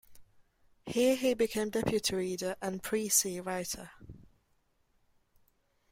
Here he became deputy-reader and precis writer.